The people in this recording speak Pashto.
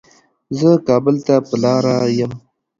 زه کابل ته په لاره يم